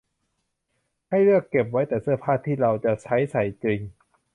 ให้เลือกเก็บไว้แต่เสื้อผ้าที่เราจะใช้ใส่จริง